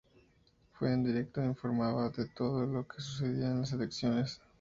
Fue en directo e informaba de todo lo que sucedía en las elecciones.